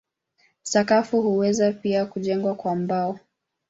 Sakafu huweza pia kujengwa kwa mbao.